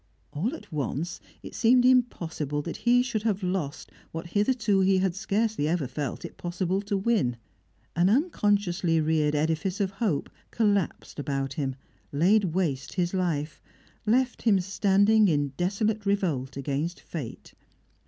All at once it seemed impossible that he should have lost what hitherto he had scarcely ever felt it possible to win. An unconsciously reared edifice of hope collapsed about him, laid waste his life, left him standing in desolate revolt against fate.